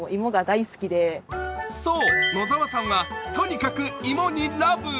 そう、野澤さんはとにかく芋にラブ。